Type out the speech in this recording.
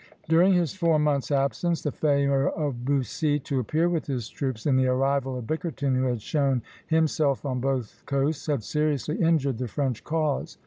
During his four months absence the failure of Bussy to appear with his troops, and the arrival of Bickerton, who had shown himself on both coasts, had seriously injured the French cause.